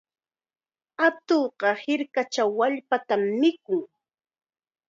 Atuqqa hirkachaw wallpatam mikun.